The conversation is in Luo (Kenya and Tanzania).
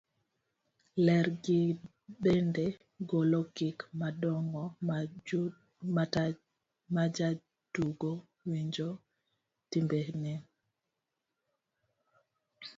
ler gi bende golo gik madongo majatugo winjo, timbene